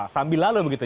sambil lalu begitu